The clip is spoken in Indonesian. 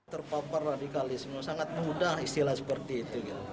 terpapar radikalisme sangat mudah istilah seperti itu